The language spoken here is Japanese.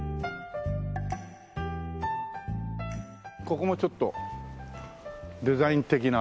ここもちょっとデザイン的なねえ。